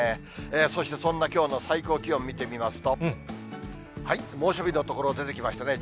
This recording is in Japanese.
そしてそんなきょうの最高気温見てみますと、猛暑日の所、出てきましたね。